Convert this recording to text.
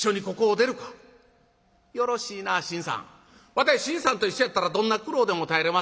わたい信さんと一緒やったらどんな苦労でも耐えれまっせ。